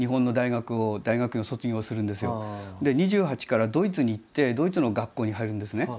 ２８からドイツに行ってドイツの学校に入るんですね。